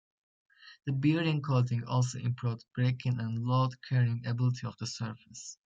The bearing coating also improved break-in and load-carrying ability of the surface.